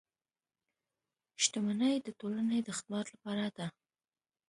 • شتمني د ټولنې د خدمت لپاره ده.